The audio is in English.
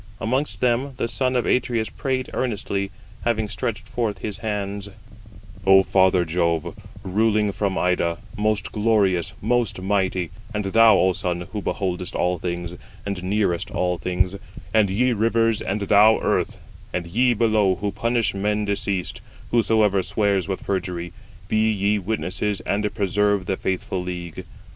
Amongst them the son of Atreus prayed earnestly, having stretched forth his hands: "O father Jove, ruling from Ida, most glorious, most mighty,—and thou, O sun, who beholdest all things, and nearest all things—and ye rivers, and thou earth, and ye below who punish men deceased, whosoever swears with perjury, be ye witnesses and preserve the faithful league.